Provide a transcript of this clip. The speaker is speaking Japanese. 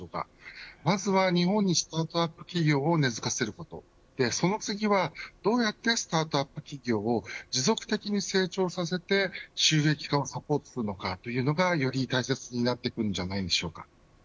まずは日本にスタートアップ企業を根づかせることその次は、どうやってスタートアップ企業を持続的に成長させて収益化をサポートするのかがより大切になってくるんじゃないでしょうか。